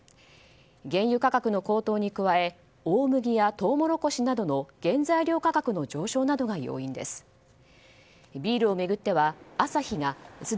原油価格の高騰に加え大麦やトウモロコシなどの原材料価格の上昇などが要因です。